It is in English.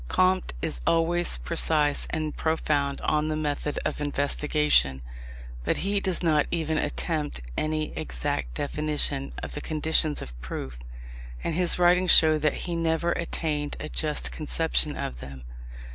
Comte is always precise and profound on the method of investigation, but he does not even attempt any exact definition of the conditions of proof: and his writings show that he never attained a just conception of them.